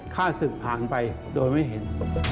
ฆ่าศึกผ่านไปโดยไม่เห็น